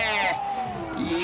いや。